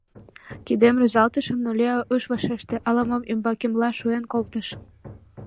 Кидем рӱзалтышым, но Лео ыш вашеште, ала-мом ӱмбакемла шуэн колтыш.